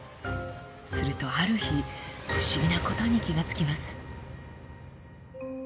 するとある日不思議なことに気が付きます。